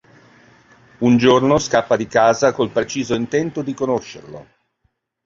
Un giorno scappa di casa col preciso intento di conoscerlo.